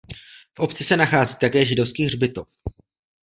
V obci se nachází také židovský hřbitov.